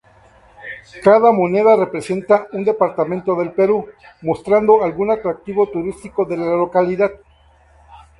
Cada moneda representa un departamento del Perú, mostrando algún atractivo turístico de la localidad.